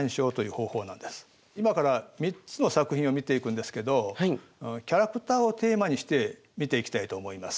今から３つの作品を見ていくんですけどキャラクターをテーマにして見ていきたいと思います。